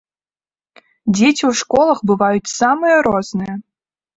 Дзеці ў школах бываюць самыя розныя.